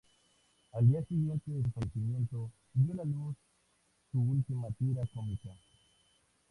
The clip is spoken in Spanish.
Al día siguiente de su fallecimiento vio la luz su última tira cómica.